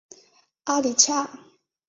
阿里恰。